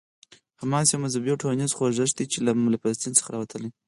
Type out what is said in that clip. حماس یو مذهبي او ټولنیز خوځښت دی چې له فلسطین څخه راوتلی.